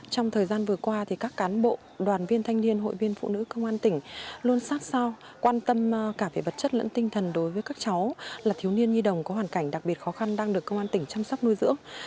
trong thời gian vừa qua các cán bộ đoàn viên thanh niên hội viên phụ nữ công an tỉnh luôn sát sao quan tâm cả về vật chất lẫn tinh thần đối với các cháu là thiếu niên nhi đồng có hoàn cảnh đặc biệt khó khăn đang được công an tỉnh chăm sóc nuôi dưỡng